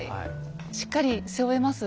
しっかり背負えます？